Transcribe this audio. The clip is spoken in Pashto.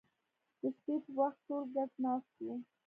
د شپې په وخت ټول ګډ ناست وو